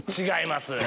違います。